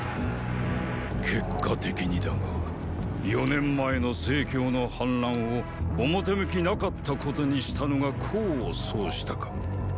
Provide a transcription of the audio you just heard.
結果的にだが四年前の成の反乱を表向きなかったことにしたのが功を奏したか。